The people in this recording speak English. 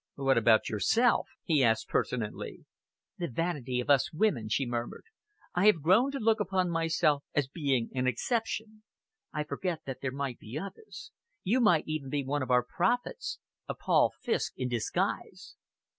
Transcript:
"What about yourself?" he asked pertinently. "The vanity of us women!" she murmured. "I have grown to look upon myself as being an exception. I forget that there might be others. You might even be one of our prophets a Paul Fiske in disguise."